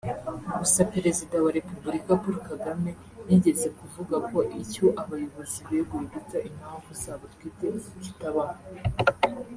Gusa Perezida wa Repubulika Paul Kagame yigeze kuvuga ko icyo abayobozi beguye bita impamvu zabo bwite kitabaho